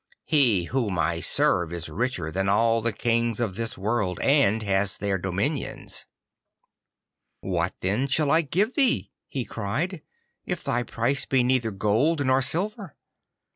He whom I serve is richer than all the kings of this world, and has their dominions.' 'What then shall I give thee,' he cried, 'if thy price be neither gold nor silver?